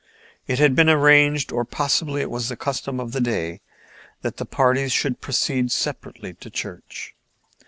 It had been arranged, or possibly it was the custom of the day, that the parties should proceed separately to church.